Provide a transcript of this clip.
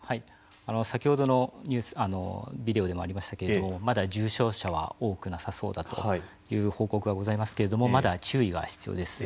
先ほどのビデオでもありましたけれどもまだ重症者は多くなさそうだという報告がございますけれどもまだ注意が必要です。